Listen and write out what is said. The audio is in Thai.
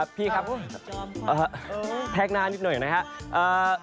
พี่ครับแพกหน้านิดหน่อยนะครับ